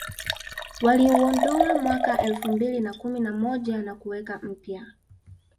Waliuondoa mwaka elfu mbili na kumi na moja na kuweka mpya